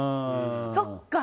そっか。